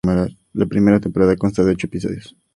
La primera temporada consta de ocho episodios.